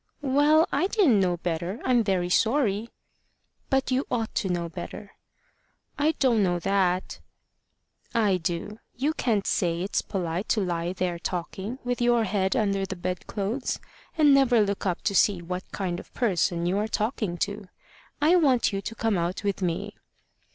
"Well, I didn't know better. I'm very sorry." "But you ought to know better." "I don't know that." "I do. You can't say it's polite to lie there talking with your head under the bed clothes, and never look up to see what kind of person you are talking to. I want you to come out with me."